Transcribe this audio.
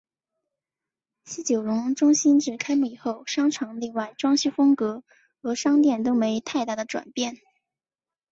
西九龙中心自开幕以后商场内外装修风格和商店都没太大的转变。